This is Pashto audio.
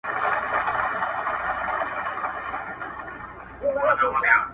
زه مرکز د دایرې یم هم اجزاء هم کل عیان یم!